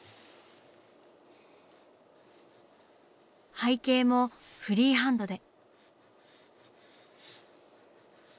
背景もフリーハンドで。